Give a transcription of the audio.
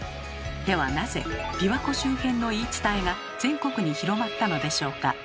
ではなぜ琵琶湖周辺の言い伝えが全国に広まったのでしょうか？